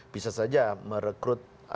bisa saja merekrut